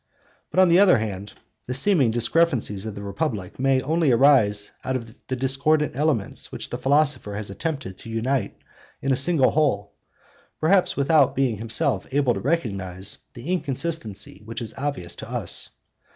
But, on the other hand, the seeming discrepancies of the Republic may only arise out of the discordant elements which the philosopher has attempted to unite in a single whole, perhaps without being himself able to recognise the inconsistency which is obvious to us.